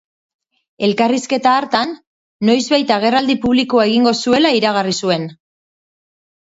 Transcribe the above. Elkarrizketa hartan, noizbait agerraldi publikoa egingo zuela iragarri zuen.